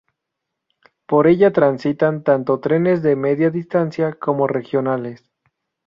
Por ella transitan tanto trenes de media distancia como regionales.